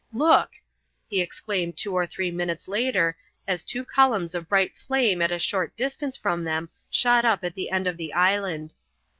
Look!" he exclaimed two or three minutes later as two columns of bright flame at a short distance from them shot up at the end of the island.